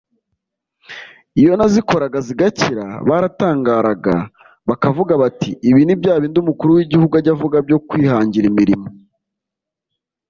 “Iyo nazikoraga zigakira baratangaraga bakavuga bati ibi ni bya bindi umukuru w’igihugu ajya avuga byo kwihangira imirimo”